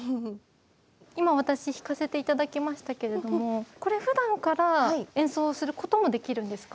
今私弾かせて頂きましたけれどもこれふだんから演奏することもできるんですか？